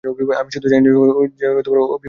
আমি শুধু চাই না যে ও বিপথে যাক।